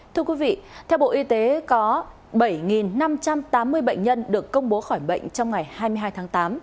thưa quý vị theo bộ y tế có bảy năm trăm tám mươi bệnh nhân được công bố khỏi bệnh trong ngày hai mươi hai tháng tám